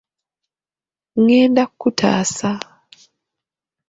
Ngenda ku taasa!